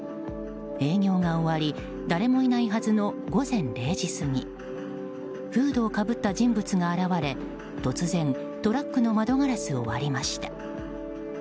営業が終わり誰もいないはずの午前０時過ぎフードをかぶった人物が現れ突然、トラックの窓ガラスを割りました。